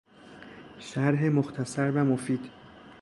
شرح مختصر و مفید